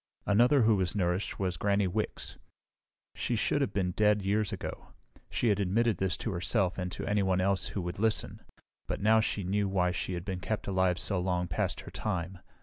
Another who was nourished was Granny Wicks. She should have been dead years ago. She had admitted this to herself and to anyone else who would listen, but now she knew why she had been kept alive so long past her time.